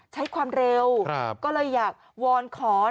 ใช้ความเร็วก็เลยอยากวอนขอ